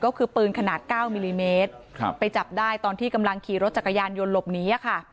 ก็คือปืนขนาด๙มิลลิเมตรไปจับได้ตอนที่กำลังขี่รถจักรยานยนต์หลบหนีอะค่ะ